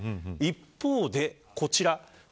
一方で、こちら。